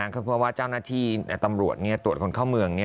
ก็เพราะว่าเจ้าหน้าที่ตำรวจตรวจคนเข้าเมือง